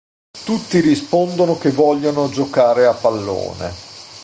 Tutti rispondono che vogliono "giocare a pallone".